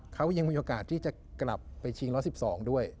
เขายังมีโอกาสที่จะกลับไปชิง๑๑๒ด้วย